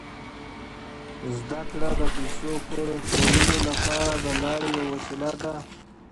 زده کړه د پیسو پوره کولو لپاره د لارې یوه وسیله ده.